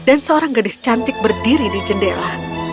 dan seorang gadis cantik berdiri di jendela